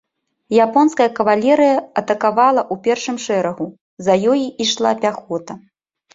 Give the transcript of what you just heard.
Японская кавалерыя атакавала ў першым шэрагу, за ёй ішла пяхота.